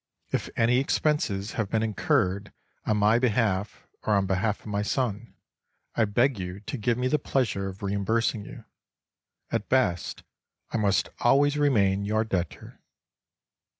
If any expenses have been incurred on my behalf or on behalf of my son, I beg you to give me the pleasure of reimbursing you. At best, I must always remain your debtor.